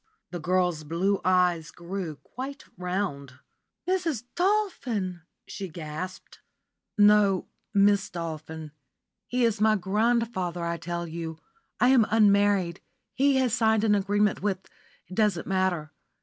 The girl's blue eyes grew quite round. "Mrs. Dolphin!" she gasped. "No; Miss Dolphin. He is my grandfather I tell you. I am unmarried. He has signed an agreement with it doesn't matter.